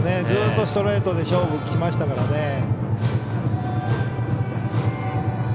ずっとストレートで勝負きましたからね。